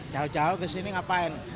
jauh jauh ke sini ngapain